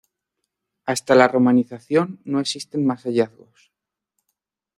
Hasta la romanización no existen más hallazgos.